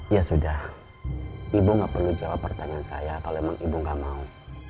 ya sudah ibu nggak perlu jawab pertanyaan saya kalau emang ibu gak mau